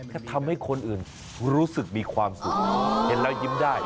แค่ทำให้คนอื่นรู้สึกมีความสุขเห็นแล้วยิ้มได้